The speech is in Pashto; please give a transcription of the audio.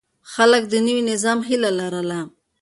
خلک د نوي نظام هيله لرله.